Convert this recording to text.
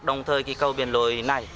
đồng thời cầu bến lội này